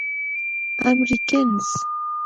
امريکنز.